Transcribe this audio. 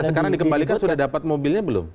sekarang dikembalikan sudah dapat mobilnya belum